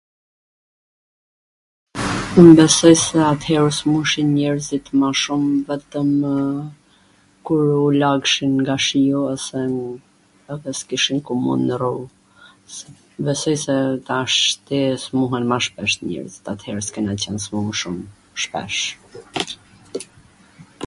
un besoj se at-her u smurshin njerzit ma shum vetwmw kur u lagshin nga shiu edhe s kishin ku me u nwrru, besoj se tashti smuren ma shpesh njerzit, at-her s kena qen smur shum shpesh